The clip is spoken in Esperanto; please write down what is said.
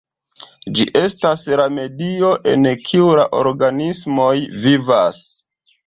Ĝi estas la medio en kiu la organismoj vivas.